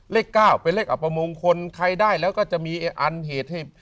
เลข๙เป็นเลขอัปมงคลใครได้แล้วก็จะมีอันเหตุให้